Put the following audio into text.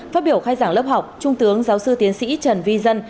phát biểu khai giảng lớp học trung tướng giáo sư tiến sĩ trần vi dân